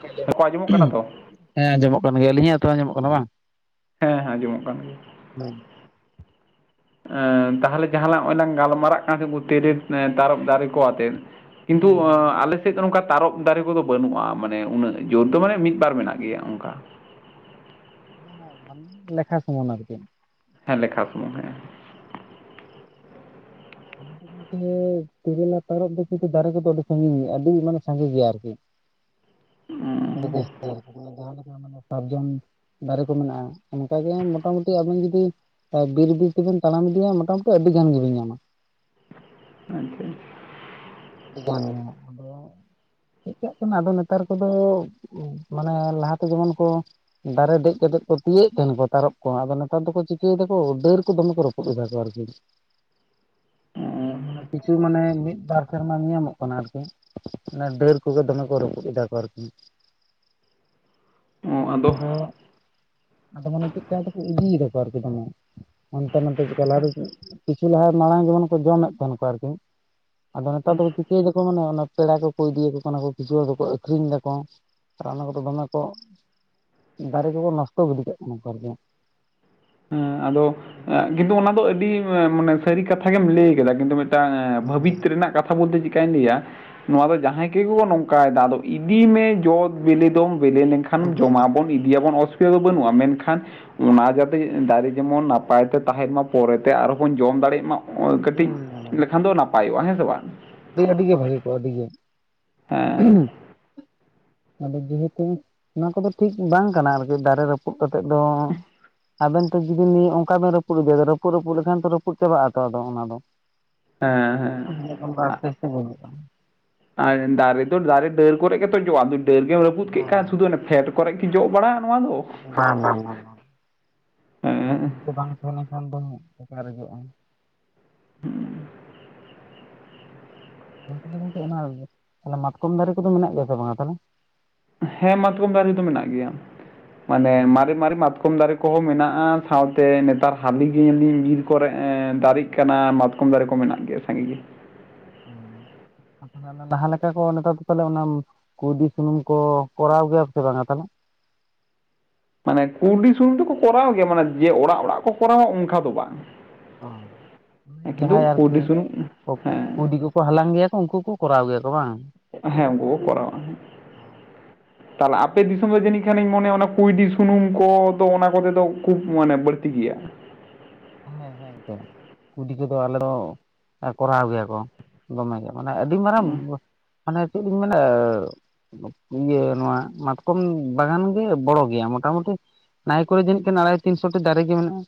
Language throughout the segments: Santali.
ᱦᱮᱸ ᱞᱟᱹᱭ ᱢᱮ ᱠᱚ ᱟᱸᱡᱚᱢᱚᱜ ᱠᱟᱱᱟ ᱛᱚ ᱦᱮᱸ ᱟᱸᱡᱚᱢᱚᱜ ᱠᱟᱱ ᱜᱮᱭᱟ ᱟᱹᱞᱤᱧ ᱦᱟᱸᱜ ᱛᱚ ᱟᱸᱡᱚᱢᱚᱜ ᱠᱟᱱᱟ ᱵᱟᱝ ᱦᱮᱸ ᱦᱮᱸ ᱟᱸᱡᱚᱢᱚᱜ ᱠᱟᱱ ᱜᱮᱭᱟ᱾ ᱛᱟᱦᱚᱞᱮ ᱡᱟᱦᱟᱸ ᱞᱟᱝ ᱱᱚᱜᱼᱚᱭ ᱞᱟᱝ ᱜᱟᱞᱢᱟᱨᱟᱜ ᱦᱮᱸ ᱠᱟᱱ [unintelligible] ᱛᱟᱨᱚᱵᱽ ᱫᱟᱨᱮ ᱠᱚ ᱟᱛᱮ ᱠᱤᱱᱛᱩ ᱦᱮᱸ ᱦᱮᱸ ᱟᱞᱮ ᱥᱮᱫ ᱱᱚᱝᱠᱟ ᱛᱟᱨᱚᱵ ᱫᱟᱨᱮ ᱠᱚᱫᱚ ᱵᱟᱹᱱᱩᱜᱼᱟ ᱢᱟᱱᱮ ᱩᱱᱟᱹᱜ ᱡᱩᱨ ᱫᱚ ᱢᱟᱱᱮ ᱢᱤᱫᱵᱟᱨ ᱢᱮᱱᱟᱜ ᱜᱮᱭᱟ ᱚᱱᱠᱟ ᱢᱟᱱᱮ ᱞᱮᱠᱷᱟ ᱥᱩᱢᱚᱝ ᱟᱨᱠᱤ ᱦᱮᱸ ᱞᱮᱠᱷᱟ ᱥᱩᱢᱩᱝ ᱦᱮᱸ [unintelligible] ᱜᱟᱝᱠᱮ ᱛᱤᱨᱤᱞ ᱯᱟᱨᱚᱵ ᱫᱚ ᱠᱤᱱᱛᱩ ᱫᱟᱨᱮ ᱠᱚᱫᱚ ᱟᱹᱰᱤ ᱥᱟᱺᱜᱤᱧ ᱜᱮᱭᱟ ᱟᱹᱰᱤ ᱢᱟᱱᱮ ᱥᱟᱸᱜᱮ ᱜᱮᱭᱟ ᱟᱨᱠᱤ ᱟᱹᱰᱤ [unintelligible] ᱡᱟᱦᱟᱸ ᱞᱮᱠᱟ ᱢᱟᱱᱮ ᱥᱟᱨᱡᱚᱢ ᱫᱟᱨᱮ ᱠᱚ ᱢᱮᱱᱟᱜᱼᱟ ᱚᱱᱠᱟ ᱜᱮ ᱢᱚᱴᱟᱢᱩᱴᱤ ᱟᱵᱮᱱ ᱡᱩᱫᱤ ᱟᱨ ᱵᱤᱨ ᱵᱤᱨ ᱛᱮᱵᱮᱱ ᱛᱟᱲᱟᱢ ᱤᱫᱤᱭᱟ ᱢᱚᱴᱟᱢᱩᱴᱤ ᱟᱹᱰᱤ ᱜᱟᱱ ᱜᱮᱵᱮᱱ ᱧᱟᱢᱟ᱾ [unintelligible] ᱴᱷᱤᱠᱟᱱ ᱜᱤᱭᱟ ᱟᱫᱚ ᱪᱮᱫ ᱠᱟᱜ ᱠᱟᱱᱟ ᱟᱫᱚ ᱱᱮᱛᱟᱨ ᱠᱚᱫᱚ ᱢᱟᱱᱮ ᱞᱟᱦᱟᱛᱮ ᱡᱮᱢᱚᱱ ᱠᱚ ᱫᱟᱨᱮ ᱫᱮᱡᱛᱮᱫ ᱠᱚ ᱛᱤᱭᱮᱫ ᱛᱟᱦᱮᱱᱟ ᱛᱟᱨᱚᱵ ᱠᱚ ᱟᱫᱚ ᱱᱮᱛᱟᱨ ᱫᱚᱠᱚ ᱪᱤᱠᱟᱹᱭ ᱫᱟᱠᱚ ᱰᱟᱹᱨ ᱠᱚ ᱫᱚᱢᱮ ᱠᱚ ᱨᱚᱯᱩᱫ ᱨᱟᱯᱩᱫ ᱮᱫᱟ ᱠᱚ ᱟᱨᱠᱤ [inaudible] ᱢᱟᱱᱮ ᱟᱪᱪᱷᱟ ᱠᱤᱪᱷᱩ ᱢᱟᱱᱮ ᱢᱤᱫ ᱵᱟᱨ ᱥᱮᱨᱢᱟ ᱧᱮᱧᱟᱢᱚᱜ ᱠᱟᱱᱟ ᱟᱨᱠᱤ ᱢᱟᱱᱮ ᱰᱟᱹᱨ ᱠᱚᱜᱮ ᱫᱚᱢᱮ ᱠᱚ ᱨᱟᱹᱯᱩᱫ ᱮᱫᱟ ᱠᱚ ᱟᱨᱠᱤ [inaudible] ᱵᱟᱝ ᱟᱫᱚ ᱠᱚᱫᱚ ᱟᱫᱚ ᱢᱟᱱᱮ ᱪᱮᱫ ᱪᱚ ᱠᱚ ᱤᱫᱤᱭᱮᱫᱟᱠᱚ ᱟᱨᱠᱤ ᱫᱚᱢᱮ ᱚᱱᱛᱮ ᱱᱚᱛᱮ ᱪᱮᱠᱟ ᱞᱟᱦᱟ ᱫᱚ ᱠᱤᱪᱷᱩ ᱞᱟᱦᱟ ᱢᱟᱲᱟᱝ ᱡᱮᱢᱚᱱ ᱠᱚ ᱡᱚᱢᱮᱫ ᱛᱟᱦᱮᱱ ᱠᱚ ᱟᱨᱠᱤ ᱟᱫᱚ ᱱᱮᱛᱟᱨ ᱫᱚᱠᱚ ᱪᱤᱠᱟᱹᱭ ᱫᱟᱠᱚ ᱢᱟᱱᱮ ᱯᱮᱲᱟ ᱠᱚᱠᱚ ᱤᱫᱤᱭᱟᱠᱚ ᱠᱟᱱᱟ ᱠᱚ ᱠᱤᱪᱷᱩ ᱫᱚᱠᱚ ᱟᱹᱠᱷᱨᱤᱧ ᱫᱟᱠᱚ ᱟᱨ ᱚᱱᱟ ᱠᱚᱫᱚ ᱫᱚᱢᱮ ᱠᱚ ᱫᱟᱨᱮ ᱠᱚᱠᱚ ᱱᱚᱥᱴᱚ ᱜᱤᱰᱤ ᱠᱟᱜ ᱠᱟᱱᱟ ᱟᱨ ᱠᱤ ᱦᱮᱸ ᱟᱫᱚ ᱠᱤᱱᱛᱩ ᱚᱱᱟ ᱫᱚ ᱟᱹᱰᱤ ᱢᱟᱱᱮ ᱥᱟᱹᱨᱤ ᱠᱟᱛᱷᱟ ᱜᱮᱢ ᱞᱟᱹᱭ ᱠᱟᱫᱟ ᱠᱤᱱᱛᱩ ᱢᱤᱫᱴᱟᱝ ᱵᱷᱟᱹᱵᱤᱛ ᱨᱮᱱᱟᱜ ᱠᱟᱛᱷᱟ ᱵᱚᱞᱛᱮ ᱪᱤᱠᱟᱹᱧ ᱞᱟᱹᱭᱟ ᱱᱚᱣᱟ ᱫᱚ ᱡᱟᱦᱟᱸᱭ ᱠᱚᱜᱮ ᱠᱚ ᱱᱚᱝᱠᱟᱭᱮᱫᱟ ᱟᱫᱚ ᱤᱫᱤᱭ ᱢᱮ ᱡᱚᱛ ᱵᱮᱞᱮ ᱫᱚᱢ ᱵᱮᱞᱮ ᱞᱮᱱ ᱠᱷᱟᱱ ᱡᱚᱢᱟᱵᱚᱱ ᱤᱫᱤᱭᱟᱵᱚᱱ ᱚᱥᱩᱵᱤᱫᱷᱟ ᱫᱚ ᱵᱟᱹᱱᱩᱜᱼᱟ ᱢᱮᱱᱠᱷᱟᱱ ᱚᱱᱟ ᱡᱟᱛᱮ ᱫᱟᱨᱮ ᱡᱮᱢᱚᱱ ᱱᱟᱯᱟᱭ ᱛᱮ ᱛᱟᱦᱮᱸᱱ ᱢᱟ ᱯᱚᱨᱮᱛᱮ ᱟᱨᱦᱚᱸ ᱵᱚᱱ ᱡᱚᱢ ᱫᱟᱲᱮᱭᱟᱜ ᱢᱟ ᱱᱚᱜᱼᱚᱭ ᱠᱟᱹᱴᱤᱡᱽ ᱞᱮᱠᱷᱟᱱ ᱫᱚ ᱱᱟᱯᱟᱭᱚᱜᱼᱟ ᱦᱮᱸ ᱥᱮ ᱵᱟᱝ ᱞᱟᱹᱭᱟᱸᱧ ᱟᱹᱰᱤ ᱜᱮ ᱵᱷᱟᱹᱜᱤ ᱠᱚᱜᱼᱟ ᱟᱹᱰᱤ ᱜᱮ ᱦᱮᱸ ᱟᱫᱚ ᱡᱮᱦᱮᱛᱩ ᱱᱚᱣᱟ ᱠᱚᱫᱚ ᱴᱷᱤᱠ ᱵᱟᱝ ᱠᱟᱱᱟ ᱟᱨᱠᱤ ᱫᱟᱨᱮ ᱨᱟᱹᱯᱩᱫ ᱠᱟᱛᱮᱜ ᱫᱚ ᱟᱵᱮᱱ ᱛᱚ ᱡᱩᱫᱤ ᱱᱤᱭᱟᱹ ᱚᱱᱠᱟ ᱵᱮᱱ ᱨᱟᱹᱯᱩᱫ ᱤᱫᱤᱭᱟ ᱨᱟᱹᱯᱩᱫ ᱨᱟᱹᱯᱩᱫ ᱞᱮᱠᱷᱟᱱ ᱨᱟᱹᱯᱩᱫ ᱪᱟᱵᱟᱼᱟ ᱛᱚ ᱟᱫᱚ ᱚᱱᱟᱫᱚ ᱦᱮᱸ ᱟᱵᱚ ᱦᱮᱸ ᱮᱠᱷᱚᱱ ᱫᱚ ᱟᱥᱛᱮ-ᱟᱥᱛᱮ ᱵᱚᱱ ᱟᱨ ᱫᱟᱨᱮ ᱫᱚ ᱫᱟᱨᱮ ᱰᱟᱹᱨ ᱠᱚᱨᱮ ᱜᱮᱛᱚ ᱡᱚᱜᱼᱟ ᱛᱚ ᱰᱟᱹᱨ ᱜᱮᱢ ᱨᱟᱹᱯᱩᱫ ᱠᱮᱫ ᱦᱮᱸ ᱠᱷᱟᱱ ᱥᱩᱫᱩ ᱚᱱᱟ ᱯᱷᱮᱰ ᱠᱚᱨᱮ ᱜᱮ ᱡᱚ ᱵᱟᱲᱟᱜᱼᱟ ᱱᱚᱣᱟᱫᱚ ᱵᱟᱝ-ᱵᱟᱝ ᱦᱮᱸ ᱵᱤᱨ ᱠᱚ ᱵᱟᱝ ᱛᱟᱦᱮᱸ ᱞᱮᱱ ᱠᱷᱟᱱ ᱫᱚ ᱚᱠᱟᱨᱮ ᱡᱚᱜᱼᱟ? ᱛᱟᱦᱚᱞᱮ ᱜᱚᱝᱠᱮ ᱚᱱᱟ ᱢᱟᱛᱠᱚᱢ ᱫᱟᱨᱮ ᱠᱚᱫᱚ ᱢᱮᱱᱟᱜ ᱜᱮᱭᱟ ᱥᱮ ᱵᱟᱝᱟ ᱛᱟᱦᱚᱞᱮ ᱦᱮᱸ ᱢᱟᱛᱠᱚᱢ ᱫᱟᱨᱮ ᱫᱚ ᱢᱮᱱᱟᱜ ᱜᱮᱭᱟ ᱢᱟᱱᱮ ᱚ ᱢᱟᱨᱮ-ᱢᱟᱨᱮ ᱢᱟᱛᱠᱚᱢ ᱫᱟᱨᱮ ᱠᱚᱦᱚᱸ ᱢᱮᱱᱟᱜᱼᱟ ᱥᱟᱶᱛᱮ ᱱᱮᱛᱟᱨ ᱦᱟᱹᱞᱤ ᱜᱮᱞᱤ ᱵᱤᱨ ᱠᱚᱨᱮ ᱫᱟᱨᱮᱜ ᱠᱟᱱᱟ ᱢᱟᱛᱠᱚᱢ ᱩᱞ ᱫᱟᱨᱮ ᱠᱚ ᱢᱮᱱᱟᱜ ᱜᱮᱭᱟ ᱥᱟᱸᱜᱮ ᱜᱮ ᱪᱮᱫ ᱦᱚᱸ ᱵᱟᱝ ᱟᱸᱡᱚᱢᱚᱜ ᱠᱟᱱᱟ ᱾ ᱛᱟᱦᱞᱮ ᱞᱟᱦᱟ ᱞᱮᱠᱟ ᱠᱚ ᱱᱮᱛᱟᱨ ᱫᱚ ᱯᱟᱞᱮ ᱚᱱᱟ ᱠᱩᱸᱭᱰᱤ ᱥᱩᱱᱩᱢ ᱠᱚ ᱠᱚᱨᱟᱣ ᱜᱮᱭᱟ ᱥᱮ ᱵᱟᱝᱟ ᱛᱟᱦᱞᱮ ᱢᱟᱱᱮ ᱠᱩᱸᱭᱰᱤ ᱥᱩᱱᱩᱢ ᱫᱚᱠᱚ ᱠᱚᱨᱟᱣ ᱜᱮᱭᱟ ᱢᱟᱱᱮ ᱡᱮ ᱚᱲᱟᱜ- ᱚᱲᱟᱜ ᱠᱚ ᱠᱚᱨᱟᱣᱟ ᱚᱱᱠᱟ ᱫᱚ ᱵᱟᱝ ᱚ ᱡᱟᱦᱟᱸᱭ ᱠᱤᱱᱛᱩ ᱟᱨᱠᱤ ᱠᱩᱸᱭᱰᱤ ᱥᱩᱱᱩᱢ ᱦᱮᱸ ᱠᱩᱸᱭᱰᱤ ᱠᱚ ᱠᱚ ᱦᱟᱞᱟᱝ ᱜᱮᱭᱟ ᱠᱚ ᱩᱱᱠᱩ ᱠᱚ ᱠᱚᱨᱟᱣ ᱜᱮᱭᱟ ᱠᱚ ᱵᱟᱝ ᱦᱮᱸ ᱩᱱᱠᱩ ᱠᱚ ᱠᱚᱨᱟᱣᱟ ᱛᱟᱦᱚᱞᱮ ᱟᱯᱮ ᱫᱤᱥᱚᱢ ᱨᱮ ᱡᱟᱹᱱᱤᱡ ᱠᱷᱟᱱᱤᱧ ᱢᱚᱱᱮᱭᱟ ᱚᱱᱟ ᱠᱩᱸᱭᱰᱤ ᱥᱩᱱᱩᱢ ᱠᱚᱫᱚ ᱚᱱᱟ ᱠᱚᱨᱮᱫᱚ ᱠᱷᱩᱵᱽ ᱢᱟᱱᱮ ᱵᱟᱹᱲᱛᱤ ᱜᱮᱭᱟ ᱦᱮᱸᱻᱦᱮᱸᱻ ᱜᱚᱝᱠᱮ ᱠᱩᱸᱭᱰᱤ ᱠᱚᱫᱚ ᱟᱞᱮ ᱫᱚ ᱠᱚᱨᱟᱣ ᱜᱮᱭᱟ ᱠᱚ ᱫᱚᱢᱮ ᱜᱮ ᱢᱟᱱᱮ ᱟᱹᱰᱤ ᱢᱟᱨᱟᱝ ᱢᱟᱱᱮ ᱪᱮᱫ ᱞᱤᱧ ᱢᱮᱱᱟ ᱤᱭᱟᱹ ᱱᱚᱣᱟ ᱢᱟᱛᱠᱚᱢ ᱵᱟᱜᱟᱱ ᱜᱮ ᱵᱚᱲᱚ ᱜᱮᱭᱟ ᱢᱚᱴᱟᱢᱩᱴᱤ ᱱᱟᱭ ᱠᱚᱨᱮ ᱜᱮ ᱡᱟᱹᱱᱤᱡ ᱠᱤ ᱟᱲᱦᱟᱭ ᱛᱤᱱ ᱥᱚᱴᱤ ᱫᱟᱨᱮ ᱜᱮ ᱢᱮᱱᱟᱜᱼᱟ᱾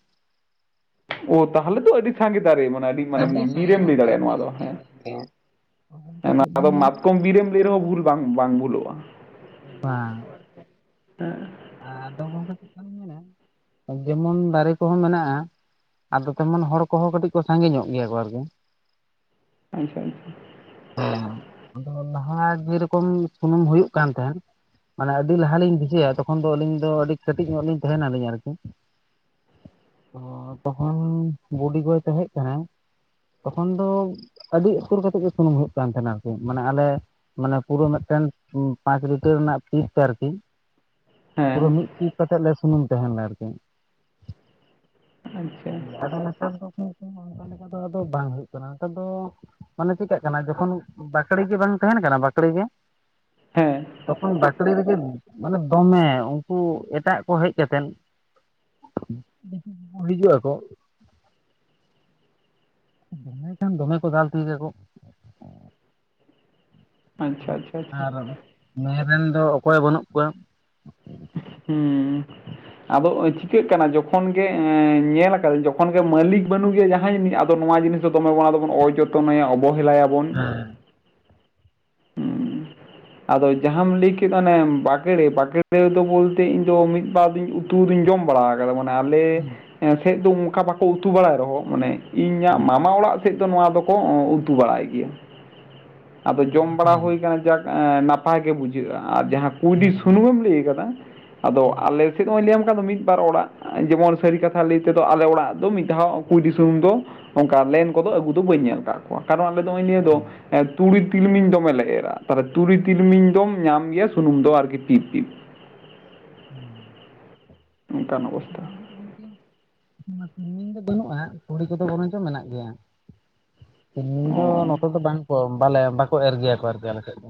ᱛᱟᱦᱞᱮ ᱛᱚ ᱟᱹᱰᱤ ᱥᱟᱸᱜᱮ ᱫᱟᱨᱮ ᱢᱟᱱᱮ ᱢᱟᱱᱮ ᱟᱹᱰᱤ ᱥᱟᱸᱜᱮ ᱵᱤᱨᱮᱢ ᱞᱟᱹᱭ ᱜᱚᱝᱠᱮ ᱫᱟᱲᱮᱭᱟᱜᱼᱟ ᱱᱚᱣᱟ ᱫᱚ ᱪᱮᱫ ᱦᱮᱸ ᱱᱚᱣᱟ ᱵᱮᱱ ᱫᱚ ᱢᱮᱱᱟ ᱢᱟᱛᱠᱚᱢ ᱵᱤᱨᱮᱢ ᱨᱮᱦᱚᱸ ᱵᱷᱩᱞ ᱵᱟᱝ ᱵᱷᱩᱞᱚᱜᱼᱟ᱾ ᱵᱟᱝ ᱦᱮᱸᱻ ᱟᱫᱚ ᱜᱚᱝᱠᱮ ᱪᱮᱫ ᱞᱮᱠᱟ ᱞᱤᱧ ᱢᱮᱱᱟ ᱡᱮᱢᱚᱱ ᱫᱟᱨᱮ ᱠᱚᱦᱚᱸ ᱢᱮᱱᱟᱜᱼᱟ᱾ ᱟᱫᱚ ᱛᱮᱢᱚᱱ ᱦᱚᱲ ᱠᱚᱦᱚᱸ ᱠᱟᱹᱴᱤᱡ ᱠᱚ ᱥᱟᱸᱜᱮ ᱧᱚᱜ ᱜᱮᱭᱟ ᱠᱚ ᱟᱨᱠᱤ ᱟᱪᱷᱟ-ᱟᱪᱷᱟ ᱦᱮᱸ ᱟᱫᱚ ᱞᱟᱦᱟ ᱡᱮ ᱨᱮᱠᱚᱢ ᱥᱩᱱᱩᱢ ᱦᱩᱭᱩᱜ ᱠᱟᱱ ᱛᱟᱦᱮᱸᱱ ᱢᱟᱱᱮ ᱟᱹᱰᱤ ᱞᱟᱦᱟ ᱞᱤᱧ ᱵᱷᱤᱡᱟᱹᱭᱟ ᱛᱚᱠᱷᱚᱱ ᱫᱚ ᱟᱹᱞᱤᱧ ᱫᱚ ᱟᱹᱰᱤ ᱠᱟᱹᱴᱤᱡ ᱧᱚᱜ ᱞᱤᱧ ᱛᱟᱦᱮᱸᱱᱟ ᱞᱤᱧ ᱟᱨᱠᱤ ᱛᱚ ᱛᱚᱠᱷᱚᱱ ᱵᱩᱰᱤᱜᱚᱭ ᱛᱟᱦᱮᱸ ᱠᱟᱱᱟ᱾ ᱛᱚᱠᱷᱚᱱ ᱫᱚ ᱟᱹᱰᱤ ᱩᱛᱟᱹᱨ ᱠᱟᱛᱮᱜ ᱜᱮ ᱥᱩᱱᱩᱢ ᱦᱩᱭᱩᱜ ᱠᱟᱱ ᱛᱟᱦᱮᱸᱱᱟ ᱟᱨᱠᱤ ᱢᱟᱱᱮ ᱟᱞᱮ ᱢᱟᱱᱮ ᱯᱩᱨᱟᱹ ᱢᱤᱫᱴᱮᱱ ᱯᱟᱸᱪ ᱞᱤᱴᱟᱨ ᱨᱮᱱᱟᱜ ᱯᱤᱥ ᱛᱮ ᱟᱨᱠᱤ ᱯᱩᱨᱟᱹ ᱦᱮᱸ ᱢᱤᱫ ᱴᱤᱧ ᱠᱟᱛᱮᱜ ᱞᱮ ᱥᱩᱱᱩᱢ ᱛᱟᱦᱮᱸᱱᱟ ᱟᱨᱠᱤ ᱟᱪᱪᱷᱟ ᱟᱫᱚ ᱱᱮᱛᱟᱨ ᱫᱚ ᱚᱱᱠᱟ ᱞᱮᱠᱟ ᱫᱚ ᱟᱫᱚ ᱵᱟᱝ ᱦᱩᱭᱩᱜ ᱠᱟᱱᱟ ᱚᱱᱠᱟ ᱫᱚ ᱢᱟᱱᱮ ᱪᱮᱠᱟᱜ ᱠᱟᱱᱟ ᱡᱚᱠᱷᱚᱱ ᱵᱟᱠᱲᱮ ᱜᱮ ᱵᱟᱝ ᱛᱟᱦᱮᱸᱱ ᱠᱟᱱᱟ ᱵᱟᱠᱲᱮ ᱜᱮ ᱦᱮᱸ ᱛᱚᱠᱷᱚᱱ ᱵᱟᱹᱠᱲᱮ ᱨᱮᱜᱮ ᱢᱟᱱᱮ ᱫᱚᱢᱮ ᱩᱱᱠᱩ ᱮᱴᱟᱜ ᱠᱚ ᱦᱮᱡ ᱠᱟᱛᱮᱱ ᱦᱤᱡᱩᱜ ᱟᱠᱚ ᱫᱚᱢᱮ ᱠᱷᱟᱱ ᱫᱚᱢᱮ ᱠᱚ ᱫᱟᱞ ᱛᱤᱭᱩᱜ ᱜᱮᱭᱟ ᱠᱚ ᱟᱪᱪᱷᱟ ᱟᱪᱪᱷᱟ ᱟᱪᱪᱷᱟ ᱟᱨ ᱱᱚᱭ ᱨᱮᱱ ᱫᱚ ᱚᱠᱚᱭ ᱵᱟᱹᱱᱩᱜ ᱠᱚᱣᱟ ᱦᱮᱸᱻ ᱟᱫᱚ ᱪᱤᱠᱟᱹᱜ ᱠᱟᱱᱟ ᱡᱚᱠᱷᱚᱱ ᱜᱮ ᱧᱮᱞ ᱟᱠᱟᱫᱟᱹᱧ ᱡᱚᱠᱷᱚᱱ ᱜᱮ ᱢᱟᱹᱞᱤᱠ ᱵᱟᱹᱱᱩᱜ ᱜᱮᱭᱟ ᱡᱟᱦᱟᱸᱭ ᱟᱫᱚ ᱱᱚᱣᱟ ᱡᱤᱱᱤᱥ ᱫᱚᱢᱮ ᱵᱚᱱ ᱟᱫᱚᱵᱚᱱ ᱚ- ᱡᱚᱛᱚᱱᱟᱭᱟ ᱚᱵᱚᱦᱮᱞᱟᱭᱟᱵᱚᱱ ᱦᱚᱸ ᱟᱫᱚ ᱡᱟᱦᱟᱸᱟᱢ ᱞᱟᱹᱭ ᱠᱮᱫ ᱚᱱᱮ ᱵᱟᱠᱮᱲᱮ- ᱵᱟᱠᱮᱲᱮ ᱫᱚ ᱵᱚᱞᱛᱮ ᱤᱧᱫᱚ ᱢᱤᱫ ᱵᱟᱨ ᱫᱩᱧ ᱩᱛᱩ ᱫᱩᱧ ᱡᱚᱢ ᱵᱟᱲᱟ ᱠᱟᱫᱟ ᱢᱟᱱᱮ ᱟᱞᱮ ᱥᱮᱫ ᱫᱚ ᱚᱱᱠᱟ ᱵᱟᱠᱚ ᱩᱛᱩ ᱵᱟᱲᱟᱭ ᱨᱮᱦᱚᱸ ᱢᱟᱱᱮ ᱤᱧᱟᱹᱜ ᱢᱟᱢᱟ ᱚᱲᱟᱜ ᱥᱮᱫ ᱫᱚ ᱱᱚᱣᱟ ᱫᱚᱠᱚ ᱩᱛᱩ ᱵᱟᱲᱟᱭ ᱜᱮᱭᱟ ᱟᱫᱚ ᱡᱚᱢ ᱵᱟᱠᱲᱮ ᱵᱟᱲᱟ ᱫᱚ ᱦᱩᱭ ᱟᱠᱟᱱᱟ ᱡᱟᱠ ᱱᱟᱯᱟᱭ ᱜᱮ ᱵᱩᱡᱷᱟᱹᱜᱼᱟ ᱟᱨ ᱡᱟᱦᱟᱸ ᱦᱮᱸ ᱠᱩᱸᱭᱰᱤ ᱥᱩᱱᱩᱢᱮᱢ ᱞᱟᱹᱭ ᱟᱠᱟᱫᱟ ᱟᱫᱚ ᱦᱮᱸ ᱟᱞᱮ ᱥᱮᱫ ᱦᱚᱸᱧ ᱞᱟᱹᱭᱟᱢ ᱟᱠᱟᱫ ᱫᱚ ᱢᱤᱫ-ᱵᱟᱨ ᱚᱲᱟᱜ ᱡᱮᱢᱚᱱ ᱥᱟᱹᱨᱤ ᱠᱟᱛᱷᱟ ᱞᱟᱹᱭ ᱛᱮᱫᱚ ᱟᱞᱮ ᱚᱲᱟᱜ ᱫᱚ ᱢᱤᱫ-ᱫᱷᱟᱣ ᱠᱩᱸᱭᱰᱤ ᱫᱤᱥᱚᱢ ᱫᱚ ᱚᱱᱠᱟ ᱞᱮᱱ ᱠᱚᱫᱚ ᱟᱹᱜᱩ ᱫᱚ ᱵᱟᱹᱧ ᱧᱮᱞ ᱟᱠᱟᱫ ᱠᱚᱣᱟ ᱠᱟᱨᱚᱱ ᱟᱞᱮ ᱫᱚ ᱱᱚᱜᱼᱚᱭ [unintelligible] ᱫᱚ ᱛᱩᱲᱤ ᱛᱤᱞᱢᱤᱧ ᱫᱚᱢᱮ ᱞᱮ ᱮᱨᱟ ᱛᱟᱦᱞᱮ ᱛᱩᱲᱤ ᱛᱤᱞᱢᱤᱧ ᱫᱚᱢ ᱧᱟᱢ ᱜᱮᱭᱟ ᱥᱩᱱᱩᱢ ᱫᱚ ᱟᱨᱠᱤ ᱴᱤᱯ ᱴᱤᱯ [unintelligible] ᱚᱱᱠᱟᱱ ᱚᱵᱚᱥᱛᱷᱟ [unintelligible] [unintelligible] ᱫᱚ ᱵᱟᱹᱱᱩᱜᱼᱟ ᱠᱩᱲᱤ ᱠᱚᱫᱚ ᱵᱚᱨᱚᱝᱪᱚ ᱢᱮᱱᱟᱜ ᱜᱮᱭᱟ ᱛᱤᱞᱢᱤᱧ ᱫᱚ ᱚ ᱱᱚᱛᱮ ᱫᱚ ᱵᱟᱝᱠᱚ ᱵᱟᱞᱮ ᱵᱟᱠᱚ ᱮᱨ ᱜᱮᱭᱟ ᱠᱚ ᱟᱨᱠᱤ ᱟᱞᱮ ᱥᱮᱫ ᱫᱚ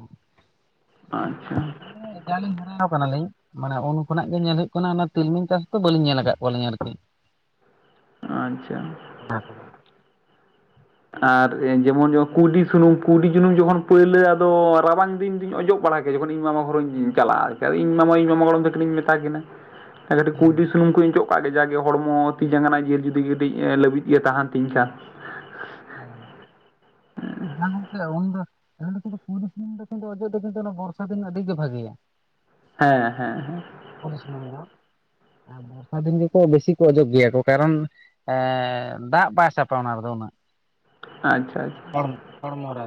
ᱟᱪᱪᱷᱟ [unintelligible] ᱦᱟᱨᱟ ᱠᱟᱱᱟᱞᱤᱧ ᱢᱟᱱᱮ ᱩᱱ ᱠᱷᱚᱱᱟᱜ ᱜᱮ ᱧᱮᱞ ᱦᱩᱭᱩᱜ ᱠᱟᱱᱟ ᱚᱱᱟ ᱛᱤᱞᱢᱤᱧ ᱪᱟᱥ ᱵᱟᱹᱞᱤᱧ ᱧᱮᱞ ᱟᱠᱟᱫ ᱠᱚᱣᱟᱞᱤᱧ ᱟᱨᱠᱤ ᱟᱪᱪᱷᱟ [unintelligible] ᱟᱨ ᱡᱮᱢᱚᱱ ᱠᱩᱰᱤ ᱥᱩᱱᱩᱢ ᱠᱩᱰᱤ ᱡᱩᱱᱩᱢ ᱡᱚᱠᱷᱚᱱ ᱯᱟᱹᱭᱭᱞᱟᱹ ᱟᱫᱚ ᱨᱟᱵᱟᱝ ᱫᱤᱱ ᱫᱩᱧ ᱚᱡᱚᱜ ᱵᱟᱲᱟ ᱠᱮᱫ ᱡᱚᱠᱷᱚᱱ ᱤᱧ ᱢᱟᱢᱟ ᱦᱚᱨᱚᱧ ᱪᱟᱞᱟᱜᱼᱟ ᱤᱧ ᱢᱟᱢᱟ ᱤᱧ ᱢᱟᱢᱟ ᱜᱚᱲᱚᱢ ᱛᱟᱹᱠᱤᱧ ᱢᱮᱛᱟ ᱠᱤᱱᱟ [unintelligible] ᱦᱮᱸ ᱠᱩᱭᱰᱤ ᱥᱩᱱᱩᱢ ᱠᱚᱧ ᱚᱡᱚᱜ ᱠᱟᱜ ᱜᱮ ᱡᱟᱜᱮ ᱦᱚᱲᱢᱚ ᱛᱤ ᱡᱟᱸᱜᱟᱨᱮᱱᱟ ᱡᱤᱞ ᱡᱩᱫᱤ ᱠᱟᱹᱴᱤᱡ ᱞᱟᱹᱵᱤᱫ ᱜᱮ ᱛᱟᱦᱮᱱ ᱛᱤᱧ ᱠᱷᱟᱱ [unintelligible] ᱢᱮᱱᱟᱠᱩ [unintelligible] ᱚᱡᱚᱜ ᱫᱚ ᱠᱤᱱᱛᱩ ᱚᱱᱟ ᱵᱚᱨᱥᱟ ᱫᱤᱱ ᱟᱹᱰᱤᱜ ᱜᱮ ᱵᱷᱟᱜᱮᱭᱟ ᱦᱮᱸ ᱦᱮᱸ ᱦᱮᱸ [unintelligible] ᱵᱚᱨᱥᱟ ᱫᱤᱱ ᱜᱮᱠᱚ ᱵᱮᱥᱤ ᱠᱚ ᱚᱡᱚᱜ ᱜᱮᱭᱟ ᱠᱚ ᱠᱟᱨᱚᱱ ᱫᱟᱜ ᱵᱟᱭ ᱥᱟᱯᱟ ᱚᱱᱟ ᱨᱮᱫᱚ ᱩᱱᱟᱹᱜ ᱟᱪᱪᱷᱟ ᱟᱪᱪᱷᱟ ᱦᱚᱲ ᱦᱚᱲᱢᱚᱨᱮ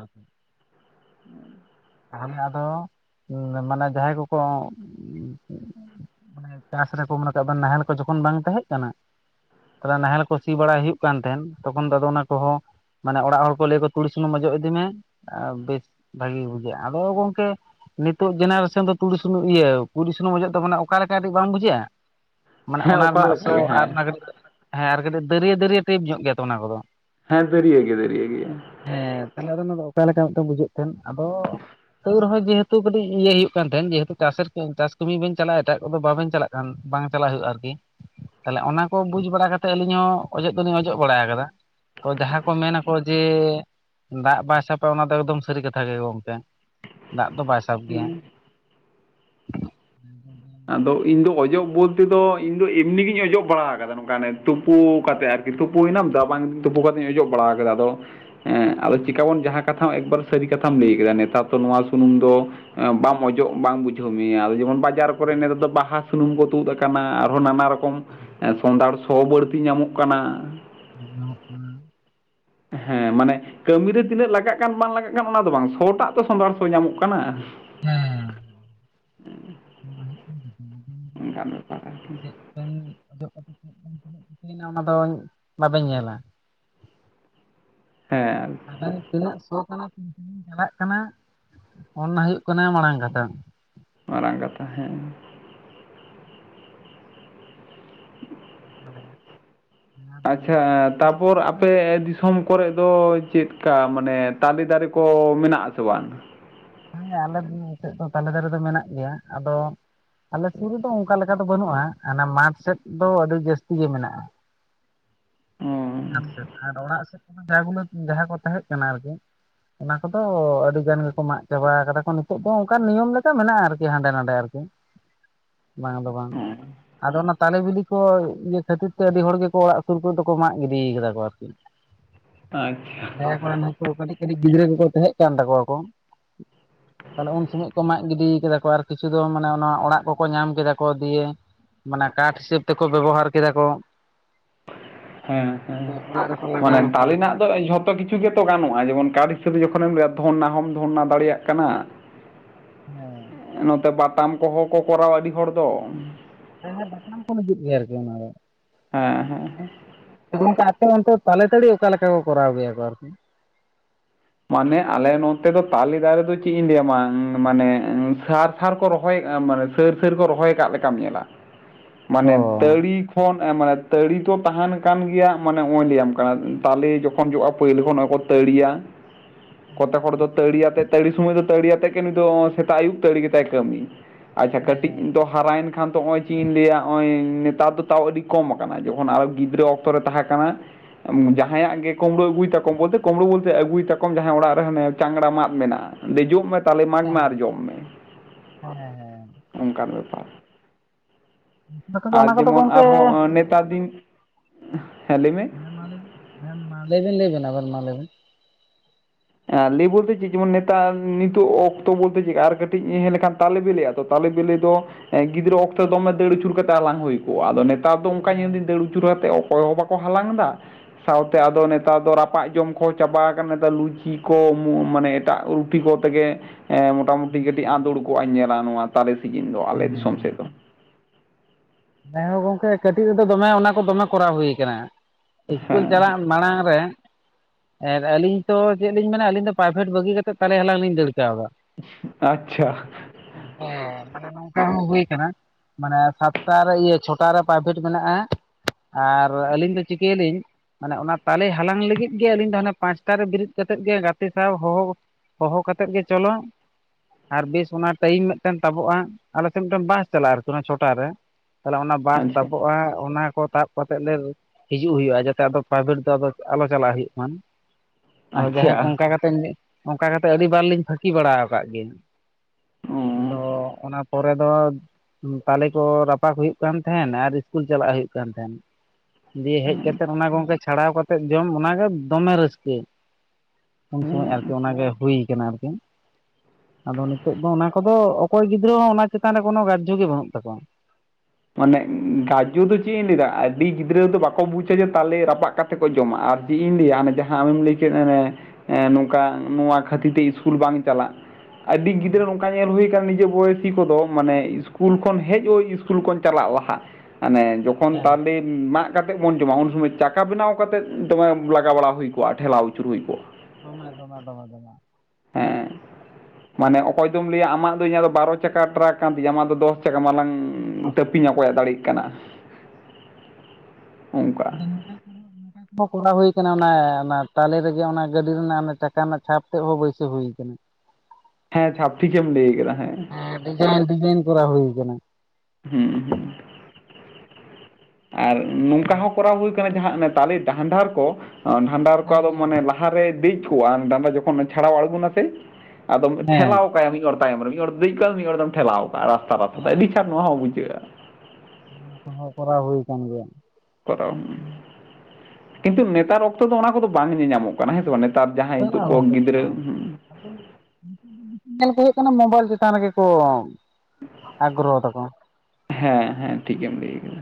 [unintelligible] ᱛᱟᱦᱚᱞᱮ ᱟᱫᱚ ᱢᱟᱱᱮ ᱡᱟᱦᱟᱸᱭ ᱠᱚᱠᱚ ᱢᱟᱱᱮ ᱪᱟᱥ ᱨᱮᱠᱚ ᱢᱮᱟᱜ ᱱᱟᱦᱮᱞ ᱠᱚ ᱡᱚᱠᱷᱚᱱ ᱵᱟᱝ ᱛᱟᱦᱮᱸ ᱠᱟᱱᱟ ᱛ ᱱᱟᱦᱮᱞ ᱠᱚ ᱥᱤ ᱵᱟᱲᱟᱭ ᱦᱩᱭᱩᱜ ᱠᱟᱱ ᱛᱟᱦᱮᱸᱱ ᱛᱚᱠᱷᱚᱱ ᱫᱟᱫᱚ ᱚᱱᱟ ᱠᱚᱦᱚᱸ ᱢᱟᱱᱮ ᱚᱲᱟᱜ ᱦᱚᱲ ᱠᱚ ᱞᱟᱹᱭᱟ ᱟᱠᱚ ᱛᱩᱲᱤ ᱥᱩᱱᱩᱢ ᱚᱡᱚᱜ ᱤᱫᱤᱢᱮ ᱟᱨ ᱵᱮᱥ ᱵᱷᱟᱜᱤ ᱵᱩᱡᱷᱟᱹᱜᱼᱟ ᱟᱫᱚ ᱜᱚᱝᱠᱮ ᱱᱤᱛᱚᱜ ᱡᱮᱱᱟᱨᱮᱥᱚᱱ ᱫᱚ ᱛᱲᱤ ᱥᱩᱱᱩ ᱤᱭᱟᱹ ᱠᱩᱲᱤ ᱥᱩᱱᱩᱢ ᱚᱡᱚᱜ ᱫᱚ ᱢᱟᱱᱮ ᱚᱠᱟᱞᱮᱠᱟ ᱠᱟᱹᱴᱤᱡ ᱵᱟᱢ ᱵᱩᱡᱷᱟᱹᱜᱼᱟ ᱢᱟᱱᱮ ᱦᱮᱸ ᱚᱱᱟ ᱚᱠᱟ ᱨᱮᱱᱟᱜ ᱥᱚ ᱞᱮᱠᱟ ᱜᱮ ᱟᱨ ᱦᱮᱸ ᱠᱟᱹᱴᱤᱡ ᱦᱮᱸ ᱟᱨ ᱠᱟᱹᱴᱤᱡ ᱫᱟᱹᱨᱭᱟᱹ ᱫᱟᱹᱨᱭᱟᱹ ᱴᱟᱭᱤᱯ ᱧᱚᱜ ᱜᱮᱭᱟ ᱛᱚ ᱚᱱᱟ ᱠᱚᱫᱚ ᱦᱮᱸ ᱫᱟᱹᱨᱭᱟᱹ ᱜᱮᱭᱟ ᱫᱟᱹᱨᱭᱟᱹ ᱜᱮᱭᱟ ᱦᱮᱸ ᱛᱟᱦᱚᱞᱮ ᱟᱫᱚ ᱚᱱᱟ ᱚᱠᱟ ᱞᱮᱠᱟ ᱢᱤᱫᱴᱮᱱ ᱵᱩᱡᱷᱟᱹᱜ ᱛᱟᱦᱮᱸᱱ ᱟᱫᱚ ᱛᱟᱹᱣ ᱨᱮᱦᱚᱸ ᱡᱮᱦᱮᱛᱩ ᱠᱟᱹᱴᱤᱡ ᱤᱭᱟᱹ ᱦᱩᱭᱩᱜ ᱠᱟᱱ ᱛᱟᱦᱮᱸᱱ ᱡᱮᱦᱮᱛᱩ ᱪᱟᱥ ᱪᱟᱥ ᱠᱟᱹᱢᱤ ᱵᱮᱱ ᱪᱟᱞᱟᱜᱼᱟ ᱮᱴᱟᱜ ᱠᱚᱫᱚ ᱵᱟᱵᱮᱱ ᱪᱟᱞᱟᱜᱼᱟ ᱵᱟᱝ ᱪᱟᱞᱟᱜ ᱦᱩᱭᱩᱜᱼᱟ ᱟᱨᱠᱤ ᱛᱟᱦᱚᱞᱮ ᱚᱱᱟ ᱠᱚ ᱵᱩᱡ ᱵᱟᱲᱟᱠᱟᱛᱮᱜ ᱟᱹᱞᱤᱧ ᱦᱚᱸ ᱚᱡᱚᱜ ᱫᱚᱞᱤᱧ ᱚᱡᱚᱜ ᱵᱟᱲᱟ ᱟᱠᱟᱫᱟ ᱛᱚ ᱡᱟᱦᱟᱸ ᱠᱚ ᱢᱮᱱᱟᱠᱚ ᱡᱮ ᱫᱟᱜ ᱵᱟᱭ ᱥᱟᱯᱟᱭ ᱚᱱᱟ ᱫᱚ ᱮᱠᱫᱚᱢ ᱥᱟᱹᱨᱤ ᱠᱟᱛᱷᱟ ᱜᱮ ᱜᱚᱝᱠᱮ ᱫᱟᱜ ᱫᱚ ᱵᱟᱭ ᱥᱟᱵ ᱜᱮᱭᱟ ᱟᱫᱚ ᱤᱧ ᱫᱚ ᱚᱡᱚᱜ ᱵᱚᱞᱛᱮ ᱫᱚ ᱤᱧ ᱫᱚ ᱮᱢᱱᱤ ᱜᱤᱧ ᱚᱡᱚᱜ ᱵᱟᱲᱟ ᱠᱟᱫᱟ ᱱᱚᱝᱠᱟᱱᱮ ᱛᱩᱯᱩ ᱠᱟᱛᱮᱫ ᱟᱨᱠᱤ ᱛᱩᱯᱩᱭᱱᱟᱢ ᱫᱚ ᱵᱟᱝ ᱛᱩᱯᱩ ᱠᱟᱛᱮᱧ ᱚᱡᱚᱜ ᱵᱟᱲᱟ ᱟᱠᱟᱫᱟ ᱟᱫᱚᱸ ᱟᱫᱚ ᱪᱤᱠᱟᱵᱚᱱ ᱡᱟᱦᱟᱸ ᱠᱟᱛᱷᱟ ᱮᱠᱵᱟᱨ ᱥᱟᱹᱨᱤ ᱠᱟᱛᱷᱟᱢ ᱞᱟᱹᱭ ᱠᱮᱫᱟ ᱱᱮᱛᱟᱨ ᱫᱚ ᱱᱚᱣᱟ ᱥᱩᱱᱩᱢ ᱫᱚ ᱵᱟᱢ ᱚᱡᱚᱜ ᱵᱟᱝ ᱵᱩᱡᱷᱟᱹᱣ ᱢᱮᱭᱟ ᱟᱫᱚ ᱡᱮᱢᱚᱱ ᱵᱟ ᱵᱟᱝ ᱱᱮᱛᱚ ᱫᱚ ᱵᱟᱦᱟ ᱥᱩᱱᱩᱢ ᱠᱚ ᱛᱩᱫ ᱟᱠᱟᱱᱟ ᱟᱨᱦᱚᱸ ᱱᱟᱱᱟ ᱨᱚᱠᱚᱢ ᱦᱮᱸ ᱥᱚᱱᱫᱷᱟᱬ ᱥᱚ ᱵᱟᱹᱲᱛᱤ ᱧᱟᱢᱚᱜ ᱠᱟᱱᱟ ᱧᱟᱢᱚᱜ ᱠᱟᱱᱟ ᱦᱮᱸ ᱢᱟᱱᱮ ᱠᱟᱹᱢᱤᱨᱮ ᱛᱤᱱᱟᱹᱜ ᱞᱟᱜᱟᱜ ᱠᱟᱱ ᱵᱟᱝ ᱞᱟᱜᱟᱜ ᱠᱟᱱ ᱚᱱᱟ ᱫᱚ ᱵᱟᱝ ᱥᱚᱴᱟᱜ ᱛᱚ ᱥᱚᱸᱫᱷᱟᱬ ᱥᱚ ᱧᱟᱢᱚᱜ ᱠᱟᱱᱟ ᱦᱮᱸ ᱚᱱᱠᱟ ᱵᱮᱯᱟᱨ ᱟᱨᱠᱤ ᱪᱤᱠᱟᱹᱭ ᱱᱟ ᱚᱱᱟ ᱫᱚ ᱵᱟᱵᱮᱧ ᱧᱮᱞᱟ ᱦᱮᱸ ᱚᱠᱟ ᱛᱤᱱᱟᱹᱜ ᱥᱚ ᱠᱟᱱᱟ ᱪᱟᱞᱟᱜ ᱠᱟᱱᱟ ᱚᱱᱟ ᱦᱩᱭᱩᱜ ᱠᱟᱱᱟ ᱢᱟᱲᱟᱝ ᱠᱟᱛᱷᱟ ᱢᱟᱨᱟᱝ ᱠᱟᱛᱷᱟ ᱦᱮᱸ [unintelligible] ᱟᱨ ᱟᱪᱪᱷᱟ ᱟᱞᱮ ᱥᱮᱫ ᱫᱚ ᱛᱟᱯᱚᱨ ᱜᱚᱝᱠᱮ ᱦᱮᱸ ᱟᱯᱮ ᱥᱚᱢ ᱠᱚᱨᱮ ᱫᱚ ᱪᱮᱜᱠᱟ ᱢᱟᱱᱮ ᱛᱟᱞᱮ ᱫᱟᱨᱮ ᱠᱚ ᱢᱮᱱᱟᱜ-ᱟ ᱟᱥᱮ ᱵᱟᱝ ᱦᱮᱸ ᱟᱞᱮ ᱱᱚᱛᱮᱫ ᱫᱚ ᱛᱟᱞᱮ ᱫᱟᱨᱮ ᱫᱚ ᱢᱮᱱᱟᱜ ᱜᱮᱭᱟ ᱟᱫᱚ ᱟᱞᱮ ᱥᱩᱨ ᱨᱮᱫᱚ ᱚᱱᱠᱟ ᱞᱮᱠᱟ ᱫᱚ ᱵᱟᱹᱱᱩᱜ-ᱟ ᱦᱟᱱᱮ ᱢᱟᱴᱷ ᱥᱮᱫ ᱫᱚ ᱟᱹᱰᱤ ᱡᱟᱹᱥᱛᱤ ᱜᱮ ᱢᱮᱱᱟᱜ-ᱟ ᱟᱨ ᱦᱩᱸ ᱥᱮᱫ ᱟᱨ ᱚᱲᱟᱜ ᱥᱮᱫ ᱠᱚ ᱡᱟ ᱜᱩᱞᱳ ᱡᱟᱦᱟᱸ ᱠᱚ ᱛᱟᱦᱮᱸ ᱠᱟᱱᱟ ᱟᱨᱠᱤ ᱚᱱᱟ ᱠᱚᱫᱚ ᱟᱹᱰᱤ ᱜᱟᱱ ᱜᱮᱠᱚ ᱢᱟᱜ ᱪᱟᱵᱟ ᱠᱟᱫᱟ ᱠᱚ ᱱᱤᱛᱚᱜ ᱫᱚ ᱚᱝᱠᱟᱱ ᱱᱤᱭᱚᱢ ᱞᱮᱠᱟ ᱢᱮᱱᱟᱜ-ᱟ ᱟᱨᱠᱤ ᱦᱟᱸᱰᱮ ᱱᱟᱰᱮ ᱟᱨᱠᱤ ᱵᱟᱝ ᱫᱚ ᱵᱟᱝ ᱦᱩᱸ ᱟᱫᱚ ᱚᱱᱟ ᱛᱟᱞᱮ ᱵᱤᱞᱤ ᱠᱚ ᱤᱭᱟᱹ ᱠᱷᱟᱹᱛᱤᱨ ᱛᱮ ᱟᱹᱰᱤ ᱦᱚᱲ ᱜᱮᱠᱚ ᱚᱲᱟᱜ ᱥᱩᱨ ᱠᱚᱨᱮ ᱫᱚᱠᱚ ᱢᱟᱜ ᱜᱤᱰᱤ ᱠᱟᱫᱟ ᱠᱚ ᱟᱨᱠᱤ ᱟᱪᱪᱷᱟ [unintelligible] ᱠᱟᱹᱴᱤᱡ ᱠᱟᱹᱴᱤᱡ ᱜᱤᱫᱽᱨᱟᱹ ᱠᱚᱠᱚ ᱛᱟᱦᱮᱸ ᱠᱟᱱ ᱛᱟᱠᱚᱣᱟ ᱠᱚ ᱦᱮᱸ [inaudible] ᱛᱟᱦᱚᱞᱮ ᱩᱱ ᱥᱚᱢᱚᱭ ᱠᱚ ᱢᱟᱜ ᱜᱤᱰᱤ ᱠᱮᱫᱟ ᱠᱚ ᱟᱨ ᱠᱤᱪᱷᱩ ᱫᱚ ᱢᱟᱱᱮ ᱚᱱᱟ ᱚᱲᱟᱜ ᱠᱚᱠᱚ ᱧᱟᱢ ᱠᱮᱫᱟ ᱠᱚ ᱫᱤᱭᱮ ᱢᱟᱱᱮ ᱠᱟᱴ ᱦᱤᱥᱟᱹᱵ ᱛᱮᱠᱚ ᱵᱮᱵᱚᱦᱟᱨ ᱠᱮᱫᱟ ᱠᱚ ᱦᱮᱸ ᱦᱮᱸ ᱢᱟᱱᱮ ᱛᱟᱞᱮᱱᱟᱜ ᱫᱚ ᱡᱷᱚ ᱡᱚᱛᱚ ᱠᱤᱪᱷᱩ ᱜᱮᱛᱚ ᱜᱟᱱᱚᱜ-ᱟ ᱡᱮᱢᱚᱱ ᱠᱟᱴ ᱦᱤᱥᱟᱹᱵ ᱛᱮ ᱡᱚᱠᱷᱚᱱᱮᱢ ᱫᱷᱚᱨᱱᱟ ᱦᱚᱢ ᱫᱷᱚᱨᱱᱟ ᱫᱟᱲᱮᱭᱟᱜ ᱠᱟᱱᱟ ᱦᱮᱸ ᱱᱚᱛᱮ ᱵᱟᱛᱟᱢ ᱠᱚᱦᱚ ᱠᱚ ᱠᱚᱨᱟᱣᱟ ᱟᱹᱰᱤ ᱦᱚᱲ ᱫᱚ ᱦᱮᱸ ᱦᱮᱸ ᱵᱟᱴᱟᱢ ᱠᱚ ᱞᱟᱜᱤᱫ ᱜᱮ ᱟᱨᱠᱤ ᱚᱱᱟᱫᱚ ᱦᱮᱸ ᱦᱮᱸ ᱦᱮᱸ ᱜᱚᱝᱠᱮ ᱟᱯᱮ ᱚᱱᱛᱮ ᱛᱟᱞᱮᱛᱟᱹᱲᱤ ᱚᱠᱟ ᱞᱮᱠᱟ ᱠᱚ ᱠᱚᱨᱟᱣ ᱜᱮᱭᱟ ᱠᱚ ᱟᱨᱠᱤ ᱢᱟᱱᱮ ᱟᱞᱮ ᱱᱚᱛᱮ ᱫᱚ ᱛᱟᱞᱮ ᱫᱟᱨᱮ ᱫᱚ ᱪᱮᱫ ᱤᱧ ᱞᱟᱹᱭᱟᱢᱟ ᱢᱟᱱᱮ ᱥᱟᱛ ᱛᱷᱟᱠ ᱠᱚ ᱨᱚᱦᱚᱭ ᱮᱜ-ᱟ ᱢᱟᱱᱮ ᱥᱟᱹᱨ ᱥᱟᱹᱨ ᱠᱚ ᱨᱚᱦᱚᱭ ᱟᱠᱟᱜ ᱞᱮᱠᱟᱢ ᱧᱮᱞᱟ ᱚ ᱢᱟᱱᱮ ᱛᱟᱲᱤ ᱠᱷᱚᱱ ᱢᱟᱱᱮ ᱛᱟᱹᱲᱤ ᱛᱚ ᱛᱟᱦᱮᱱ ᱠᱟᱱ ᱜᱮᱭᱟ ᱢᱟᱱᱮ ᱱᱚᱜ-ᱚᱭ ᱞᱟᱹᱭᱟᱢ ᱠᱟᱱᱟ ᱛᱟᱞᱮ ᱡᱚᱠᱷᱚᱱ ᱡᱚᱜ-ᱟ ᱯᱳᱭᱞᱳ ᱠᱷᱚᱱ ᱛᱟᱹᱲᱤᱭᱟ ᱦᱮᱸ ᱠᱚᱛᱮᱠ ᱦᱚᱲ ᱫᱚ ᱛᱟᱹᱲᱤ ᱟᱛᱮᱫ ᱛᱟᱹᱲᱤ ᱥᱚᱢᱚᱭ ᱫᱚ ᱛᱟᱹᱲᱤ ᱟᱛᱮᱫ ᱜᱮ ᱱᱩᱭ ᱫᱚ ᱥᱮᱛᱟᱜ ᱟᱹᱭᱩᱵ ᱛᱟᱹᱲᱤ ᱜᱮᱛᱟᱭ ᱠᱟᱹᱢᱤ ᱟᱪᱪᱷᱟ ᱠᱟᱹᱴᱤᱡ ᱦᱮᱸ ᱫᱚᱦ ᱦᱟᱨᱟᱭᱮᱱ ᱠᱷᱟᱱ ᱛᱚ ᱱᱚᱜ-ᱚᱭ ᱪᱮᱫ ᱤᱧ ᱞᱟᱹᱭᱟ ᱱᱚᱜ-ᱚᱭ ᱱᱮᱛᱟᱨ ᱫᱚ ᱛᱟᱣ ᱟᱹᱰᱤ ᱠᱚᱢ ᱟᱠᱟᱱᱟ ᱡᱚᱠᱷᱚᱱ ᱟᱨᱚ ᱜᱤᱫᱽᱨᱟᱹ ᱚᱠᱛᱚ ᱛᱚ ᱨᱮ ᱛᱟᱦᱮᱸ ᱠᱟᱱᱟ ᱡᱟᱦᱟᱸᱭᱟᱜ ᱜᱮ ᱠᱩᱢᱲᱳ ᱟᱹᱜᱩᱭ ᱛᱟᱠᱚᱢ ᱵᱚᱞᱛᱮ ᱠᱩᱢᱲᱩ ᱵᱚᱞᱛᱮ ᱟᱹᱜᱩᱭ ᱛᱟᱠᱚᱢ ᱡᱟᱦᱟᱸᱭ ᱚᱲᱟᱜ ᱨᱮ ᱦᱟᱱᱮ ᱪᱟᱝᱜᱲᱟ ᱢᱟᱫ ᱢᱮᱱᱟᱜ-ᱟ ᱫᱮᱡᱚᱜ ᱢᱮ ᱛᱟᱞᱮ ᱢᱟᱜᱽ ᱢᱮ ᱟᱨ ᱡᱚᱢ ᱢᱮ ᱦᱮᱸ ᱚᱝᱠᱟᱱ ᱵᱮᱯᱟᱨ ᱱᱚᱛᱮ ᱫᱚ ᱟᱨ ᱚᱱᱟ ᱠᱚᱫᱚ ᱡᱮᱢᱚᱱ ᱜᱚᱝᱠᱮ ᱦᱮᱸ ᱟᱨᱦᱚᱸ ᱱᱮᱛᱟ ᱫᱤᱱ, ᱦᱮᱸ ᱞᱟᱹᱭ ᱢᱮ ᱦᱮᱸ ᱢᱟ ᱞᱟᱹᱭ ᱦᱮᱸ ᱢᱟ ᱞᱟᱹᱭ, ᱞᱟᱹᱭᱵᱤᱱ ᱟᱵᱮᱱ ᱢᱟ ᱞᱟᱹᱭᱵᱮᱱ ᱞᱟᱹᱭ ᱵᱚᱞᱛᱮ ᱪᱮᱫ ᱡᱮᱢᱚᱱ ᱱᱮᱛᱟᱨ ᱱᱤᱛᱚᱜ ᱚᱠᱛᱚ ᱵᱚᱞᱛᱮ ᱪᱮᱜ ᱠᱟ ᱟᱨ ᱠᱟᱹᱴᱤᱡ ᱦᱮᱡ ᱞᱮᱠᱷᱟᱡ ᱛᱟᱞᱮ ᱵᱮᱞᱮᱜ -ᱟ ᱛᱟᱞᱮ ᱵᱮᱞᱮ ᱫᱚ ᱜᱤᱫᱽᱨᱟᱹ ᱚᱠᱛᱚ ᱫᱚᱢᱮ ᱫᱟᱹᱲ ᱪᱩᱨ ᱠᱟᱛᱮ ᱦᱟᱞᱟᱝ ᱦᱩᱭ ᱠᱚᱜ-ᱟ ᱟᱫᱚ ᱱᱮᱛᱟᱨ ᱫᱚ ᱚᱝᱠᱟ ᱧᱮᱞ ᱫᱤᱧ ᱫᱟᱹᱲ ᱪᱩᱨ ᱠᱟᱛᱮᱫ ᱚᱠᱚᱭ ᱦᱚᱸ ᱵᱟᱠᱚ ᱦᱟᱞᱟᱝ ᱫᱟ ᱥᱟᱶᱛᱮ ᱟᱫᱚ ᱱᱮᱛᱟᱨ ᱫᱚ ᱨᱟᱯᱟᱜ ᱡᱚᱢ ᱠᱚ ᱪᱟᱵᱟ ᱟᱠᱟᱱᱟ ᱱᱮᱛᱟᱨ ᱞᱩᱡᱽ ᱠᱚ ᱢᱟᱱᱮ ᱮᱴᱟᱜ ᱨᱩᱴᱤᱷᱤ ᱠᱚ ᱛᱮᱜᱮ ᱢᱚᱴᱟᱢᱩᱴᱤ ᱠᱟᱹᱴᱤᱡ ᱟᱸᱫᱳᱲ ᱠᱚᱼᱟ ᱤᱧ ᱧᱮᱞᱟ ᱱᱚᱣᱟ ᱛᱟᱞᱮ ᱥᱤᱡᱤᱱ ᱫᱚ ᱦᱮᱸ ᱟᱞᱮ ᱫᱤᱥᱚᱢ ᱥᱮᱫ ᱫᱚ ᱦᱮᱸ ᱦᱳ ᱜᱚᱝᱠᱮ ᱠᱟᱹᱴᱤᱡ ᱨᱮᱫᱚ ᱫᱚᱢᱮ ᱚᱱᱟ ᱠᱚ ᱫᱚᱢᱮ ᱠᱚᱨᱟᱣ ᱦᱩᱭ ᱟᱠᱟᱱᱟ ᱤᱥᱠᱩᱞ ᱦᱮᱸ ᱪᱟᱞᱟᱜ ᱢᱟᱲᱟᱝ ᱨᱮ ᱟᱹᱞᱤᱧ ᱛᱚ ᱪᱮᱫ ᱞᱤᱧ ᱢᱮᱱᱼᱟ ᱟᱹᱞᱤᱧ ᱫᱚ ᱯᱨᱟᱭᱵᱷᱮᱴ ᱵᱟᱹᱜᱤ ᱠᱟᱛᱮᱫ ᱛᱟᱞᱮ ᱦᱟᱞᱟᱝ ᱞᱤᱧ ᱫᱟᱹᱲ ᱠᱟᱣᱫᱟ ᱟᱪᱪᱷᱟ ᱦᱮᱸ ᱢᱟᱱᱮ ᱱᱚᱝᱠᱟ ᱦᱚᱸ ᱦᱩᱭᱩ ᱠᱟᱱᱟ ᱢᱟᱱᱮ ᱥᱟᱛ ᱥᱮᱛᱟᱨᱮ ᱤᱭᱟᱹ ᱪᱷᱚᱴᱟ ᱨᱮ ᱯᱨᱟᱭᱵᱷᱮᱴ ᱢᱮᱱᱟᱜᱼᱟ ᱟᱨ ᱟᱹᱞᱤᱧ ᱫᱚ ᱪᱤᱠᱟᱹᱭᱟᱞᱤᱧ ᱢᱟᱱᱮ ᱚᱱᱟ ᱛᱟᱞᱮ ᱦᱟᱞᱟᱝ ᱞᱟᱹᱜᱤᱫ ᱜᱮ ᱟᱹᱞᱤᱧ ᱫᱚ ᱯᱟᱸᱪᱴᱟ ᱨᱮ ᱵᱤᱨᱤᱫ ᱠᱟᱛᱮᱜ-ᱜᱮ ᱜᱟᱛᱮ ᱥᱟᱶ ᱦᱚᱦᱚ ᱦᱚᱦᱚ ᱠᱟᱛᱮᱫ ᱜᱮ ᱪᱚᱞᱚ ᱟᱨ ᱵᱮᱥ ᱚᱱᱟ ᱴᱟᱭᱤᱢ ᱢᱮᱜᱴᱮᱱ ᱛᱟᱵᱚᱜᱼᱟ ᱟᱞᱮ ᱥᱮᱫ ᱢᱤᱫᱴᱮᱝ ᱵᱟᱥ ᱪᱟᱞᱟᱜᱼᱟ ᱟᱨᱠᱤ ᱚᱱᱟ ᱪᱷᱚᱴᱟ ᱨᱮ ᱛᱟᱦᱚᱞᱮ ᱚᱱᱟ ᱵᱟᱥ ᱟᱪᱪᱷᱟ ᱛᱟᱵᱚᱜᱼᱟ ᱚᱱᱟ ᱠᱚ ᱛᱟᱵ ᱠᱟᱛᱮᱫ ᱞᱮ ᱨᱩ ᱦᱤᱡᱩᱜ ᱦᱩᱭᱩᱜᱼᱟ ᱡᱟᱛᱮ ᱟᱫᱚ ᱯᱨᱟᱭᱵᱷᱮᱴ ᱫᱚ ᱟᱫᱚ ᱟᱞᱚ ᱪᱟᱞᱟᱜ ᱦᱩᱭᱩᱜ ᱢᱟᱱ ᱟᱫᱚ ᱟᱪᱪᱷᱟ ᱡᱟᱭᱦᱳᱠ ᱚᱝᱠᱟ ᱠᱟᱛᱮ ᱚᱝᱠᱟ ᱠᱟᱛᱮᱫ ᱟᱹᱰᱤ ᱵᱟᱨ ᱞᱤᱧ ᱯᱷᱟᱸᱠᱤ ᱵᱟᱲᱟ ᱟᱠᱟᱫ ᱜᱮᱭᱟ ᱚ ᱟᱫᱚ ᱚᱱᱟ ᱯᱚᱨᱮ ᱫᱚ ᱛᱟᱞᱮ ᱠᱚ ᱨᱟᱯᱻᱻ ᱯᱟᱜᱽ ᱦᱩᱭᱩᱜ ᱠᱟᱱ ᱛᱟᱦᱮᱱ ᱟᱨ ᱤᱥᱠᱩᱞ ᱪᱟᱞᱟᱜ ᱦᱩᱭᱩᱜ ᱠᱟᱱ ᱛᱟᱦᱮᱱ ᱫᱤᱭᱮ ᱦᱮᱡ ᱠᱟᱛᱮᱫ ᱚᱱᱟ ᱜᱚᱝᱠᱮᱻᱻ ᱪᱷᱟᱲᱟᱣ ᱠᱟᱛᱮᱫ ᱡᱚᱢ ᱚᱱᱟᱜᱮ ᱫᱚᱢᱮ ᱨᱟᱹᱥᱠᱟᱹ ᱩᱱ ᱥᱚᱢᱚᱭ ᱦᱮᱸ ᱟᱨᱠᱤ ᱚᱱᱟᱜᱮ ᱦᱩᱭ ᱠᱟᱱᱟ ᱟᱨᱠᱤ ᱟᱫᱚ ᱱᱤᱛᱚᱜ ᱫᱚ ᱚᱱᱟ ᱠᱚᱫᱚ ᱚᱠᱚᱭ ᱜᱤᱫᱽᱨᱟᱹ ᱦᱚᱸ ᱚᱱᱟ ᱪᱮᱛᱟᱱ ᱨᱮ ᱠᱳᱱᱳ ᱜᱨᱟᱡᱽᱦᱷᱚ ᱜᱮ ᱵᱟᱹᱱᱩᱜ ᱛᱟᱠᱚᱣᱟ ᱢᱟᱱᱮ ᱜᱨᱟᱡᱽᱡᱚ ᱫᱚ ᱪᱮᱫ ᱤᱧ ᱞᱟᱹᱭ ᱫᱟ ᱟᱹᱰᱤ ᱜᱤᱫᱽᱨᱟᱹ ᱫᱚ ᱵᱟᱠᱚ ᱵᱩᱡᱟ ᱡᱮ ᱛᱟᱞᱮ ᱨᱟᱯᱟᱜ ᱠᱟᱛᱮᱻᱻ ᱠᱟᱛᱮᱫ ᱠᱚ ᱡᱚᱢᱟ ᱟᱨ ᱪᱮᱫ ᱤᱧ ᱞᱟᱹᱭᱟ ᱚᱱᱮ ᱡᱟᱦᱟᱸ ᱟᱢᱮᱢ ᱞᱟᱹᱭ ᱠᱮᱫ ᱚᱱᱮᱻᱻ ᱮᱸ ᱱᱚᱝᱠᱟ ᱱᱚᱣᱟ ᱠᱷᱟᱹᱛᱤᱨ ᱛᱮ ᱤᱥᱠᱩᱞ ᱵᱟᱝ ᱪᱟᱞᱟᱜ ᱟᱹᱰᱤ ᱜᱤᱫᱽᱨᱟᱹ ᱱᱚᱝᱠᱟ ᱧᱮᱞ ᱦᱩᱭ ᱟᱠᱟᱱᱟ ᱱᱤᱡᱮ ᱵᱚᱭᱮᱥᱤ ᱠᱚᱫᱚ ᱢᱟᱱᱮ ᱤᱥᱠᱩᱞ ᱠᱷᱚᱱ ᱦᱮᱡ [unintelligible] ᱤᱥᱠᱩᱞ ᱠᱷᱚᱱ ᱪᱟᱞᱟᱜᱼᱟ ᱞᱟᱦᱟ ᱢᱟᱱᱮ ᱡᱚᱠᱷᱚᱱ ᱛᱟᱞᱮ ᱢᱟᱜ ᱠᱟᱛᱮᱫ ᱵᱚᱱ ᱡᱚᱢᱟ ᱩᱱ ᱥᱚᱢᱚᱭ ᱪᱟᱠᱟ ᱵᱮᱱᱟᱣ ᱠᱟᱛᱮᱫ ᱫᱚᱢᱮ ᱞᱟᱜᱟ ᱵᱟᱲᱟ ᱦᱩᱭ ᱠᱚᱜᱼᱟ ᱴᱷᱮᱞᱟᱣ ᱟᱹᱪᱩᱨ ᱦᱩᱭ ᱠᱚᱜᱼᱟ ᱫᱚᱢᱮ ᱫᱚᱢᱮ ᱫᱚᱢᱮ ᱫᱚᱢᱮ ᱦᱮᱸ ᱢᱟᱱᱮ ᱚᱠᱚᱭ ᱫᱚᱢ ᱞᱟᱹᱭᱟ ᱟᱢᱟᱜ ᱫᱚ ᱤᱧᱟᱹ ᱫᱚ ᱵᱟᱨᱚ ᱪᱟᱠᱟ ᱴᱨᱟᱠ ᱠᱟᱱ ᱛᱤᱧᱟᱹ ᱟᱢᱟ ᱫᱚ ᱫᱚᱥ ᱪᱟᱠᱟ ᱢᱟᱞᱟᱟᱝᱼᱼ ᱛᱟᱹᱯᱤᱧ ᱚᱠᱚᱭᱟ ᱫᱟᱲᱮ ᱠᱟᱱᱟ ᱚᱱᱠᱟ᱾ ᱦ ᱠᱚᱨᱟᱣ ᱦᱩᱭ ᱟᱠᱟᱱᱟ ᱚᱱᱟ ᱚᱱᱟ ᱛᱟᱞᱮ ᱨᱮᱜᱮ ᱚᱱᱟ ᱜᱟᱹᱰᱤ ᱨᱮᱱᱟᱜ ᱚᱱᱟ ᱪᱟᱠᱟ ᱨᱮᱱᱟᱜ ᱪᱷᱟᱯ ᱛᱮᱫ ᱦᱚᱸ ᱵᱟᱹᱭᱥᱟᱹ ᱦᱩᱭ ᱠᱟᱱᱟ᱾ ᱦᱮᱸ ᱠᱷᱟᱯ ᱴᱷᱤᱠᱮ ᱮᱢ ᱞᱟᱹᱭ ᱠᱮᱫᱟ ᱦᱮᱸᱼᱼ ᱰᱤᱡᱟᱭᱤᱱ ᱰᱤᱡᱟᱭᱤᱱ ᱠᱚᱨᱟᱣ ᱦᱩᱭ ᱠᱟᱱᱟ ᱦᱩᱩᱸ ᱟᱨ ᱱᱚᱝᱠᱟ ᱦᱚᱸ ᱠᱚᱨᱟᱣ ᱦᱩᱭ ᱠᱟᱱᱟᱼᱼ ᱡᱟᱦᱟᱸ ᱛᱟᱞᱮ ᱰᱟᱱᱰᱟᱨ ᱠᱚ ᱰᱟᱱᱰᱟᱨ ᱠᱚ ᱫᱚ ᱢᱟᱱᱮᱼᱼ ᱫᱷᱟᱨᱮ ᱵᱤᱫ ᱠᱚᱜᱼᱟ ᱰᱟᱸᱰᱟ ᱡᱚᱠᱷᱚᱱ ᱪᱷᱟᱲᱟᱣ ᱟᱬᱜᱚᱱ ᱟᱥᱮ ᱟᱫᱚᱢ ᱦᱮᱸ ᱴᱷᱮᱞᱟᱣᱼᱼ ᱢᱤᱫ ᱦᱚᱲ ᱛᱟᱭᱚᱢ ᱨᱮ ᱢᱤᱫ ᱦᱚᱲ ᱫᱮᱡ ᱠᱚᱼᱟ ᱢᱤᱫ ᱦᱚᱲ ᱫᱚᱢ ᱴᱷᱮᱞᱟᱣ ᱠᱼᱟ ᱨᱟᱥᱛᱟ ᱨᱟᱥᱛᱟ ᱛᱮ ᱟᱹᱰᱤ ᱪᱷᱟᱴ ᱱᱚᱣᱟ ᱦᱚᱸ ᱵᱩᱡᱷᱟᱹᱜᱼᱟ᱾ ᱚᱱᱟ ᱠᱚᱦᱚᱸ ᱠᱚᱨᱟᱣ ᱦᱩᱭ ᱠᱟᱱ ᱜᱮᱭᱟ ᱠᱚᱨᱟᱣ ᱠᱤᱱᱛᱩ ᱱᱮᱛᱟᱨ ᱚᱠᱛᱚ ᱫᱚ ᱚᱱᱟ ᱠᱚᱫᱚ ᱵᱟᱝ ᱧᱮᱧᱟᱢᱚᱼᱼ ᱦᱮᱸ ᱥᱮ ᱵᱟᱝ ᱱᱮᱛᱟᱨ ᱡᱟᱦᱟᱸᱭ ᱱᱤᱛᱚᱜ ᱠᱚ ᱜᱤᱫᱽᱨᱟᱹ ᱦᱼᱼ [unintelligible] ᱧᱮᱞ ᱠᱚ ᱦᱩᱭᱩᱜ ᱠᱟᱱᱟ ᱢᱳᱵᱟᱭᱤᱞ ᱪᱮᱛᱟᱱ ᱨᱮᱜᱮ ᱠᱚ ᱟᱜᱽᱨᱚᱦᱚ ᱛᱟᱠᱚ᱾ ᱦᱮᱸ ᱦᱮᱸ ᱴᱷᱤᱠ ᱮᱢ ᱞᱟᱹᱭ ᱠᱟᱫᱟ᱾